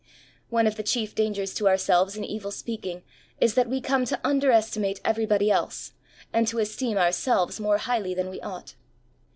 One of the chief dangers to ourselves in evil speaking is that we come to under estimate everybody else, and to esteem ourselves more highly than we ought.